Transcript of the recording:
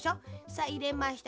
さっいれました。